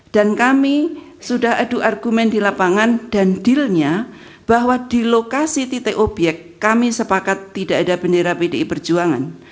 dan kami sudah adu argumen di lapangan dan dealnya bahwa di lokasi titik obyek kami sepakat tidak ada bendera bdi perjuangan